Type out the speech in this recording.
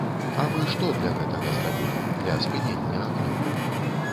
А вы што для гэтага зрабілі, для спынення агню?